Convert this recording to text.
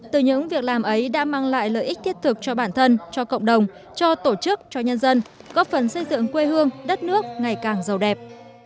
từ những việc làm ấy đã mang lại lợi ích thiết thực cho bản thân cho cộng đồng cho tổ chức cho nhân dân góp phần xây dựng quê hương đất nước ngày càng giàu đẹp